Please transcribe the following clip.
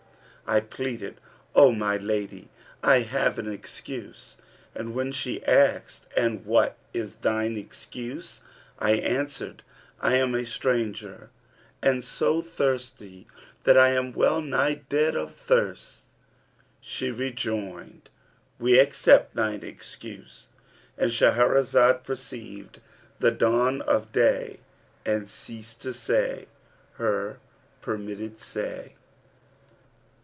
I pleaded, 'O my lady, I have an excuse;' and when she asked, 'And what is thine excuse?' I answered, 'I am a stranger and so thirsty that I am well nigh dead of thirst.' She rejoined, 'We accept thine excuse,' —And Shahrazad perceived the dawn of day and ceased to say her permitted say.